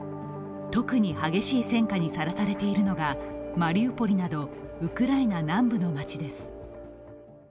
特に激しい戦火にさらされているのが、マリウポリなどウクライナ南部の街です。